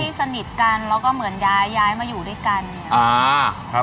ที่สนิทกันแล้วก็เหมือนย้ายมาอยู่ด้วยกัน